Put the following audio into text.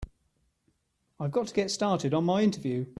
I've got to get started on my interview.